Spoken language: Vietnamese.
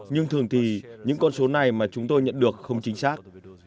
nhưng thường thì những con số này mà chúng tôi nhận được không chính xác